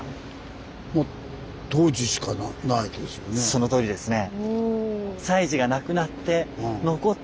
そのとおりですね。